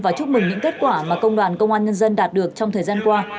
và chúc mừng những kết quả mà công an nhân dân đạt được trong thời gian qua